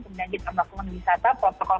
kemudian kita melakukan wisata protokol